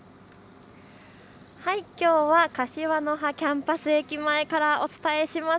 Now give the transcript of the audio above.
きょうは柏の葉キャンパス駅前からお伝えします。